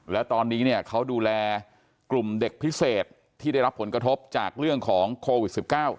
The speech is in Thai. แล้วตอนนี้เนี่ยเขาดูแลกลุ่มเด็กพิเศษที่ได้รับผลกระทบจากเรื่องของโควิด๑๙